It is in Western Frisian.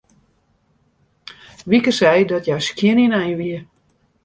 Wieke sei dat hja skjin ynein wie.